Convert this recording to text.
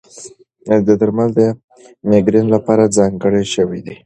درمل د مېګرین لپاره ځانګړي شوي دي.